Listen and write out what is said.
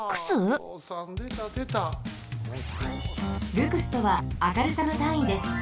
ルクスとは明るさのたんいです。